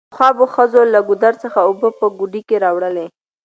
پخوا به ښځو له ګودر څخه اوبه په ګوډي کې راوړلې